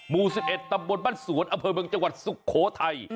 หมู่๑๑ตำบลบ้านสวนอำเภอเมืองจังหวัดสุโขทัย